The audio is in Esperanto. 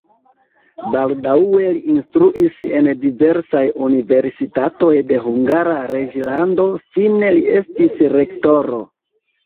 Baldaŭe li instruis en diversaj universitatoj de Hungara reĝlando, fine li estis rektoro.